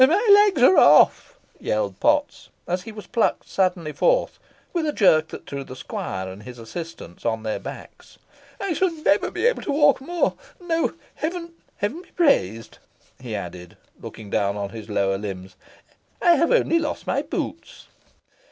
"My legs are off," yelled Potts, as he was plucked suddenly forth, with a jerk that threw the squire and his assistants on their backs. "I shall never be able to walk more. No, Heaven be praised!" he added, looking down on his lower limbs, "I have only lost my boots."